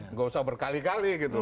nggak usah berkali kali gitu